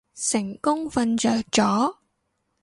成功瞓着咗